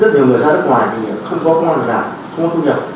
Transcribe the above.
rất nhiều người ra đất ngoài thì không có công nhận để làm không có thu nhập